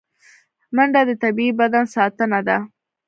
منډه د طبیعي بدن ساتنه ده